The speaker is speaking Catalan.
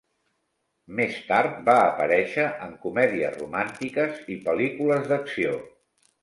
Més tard va aparèixer en comèdies romàntiques i pel·lícules d'acció.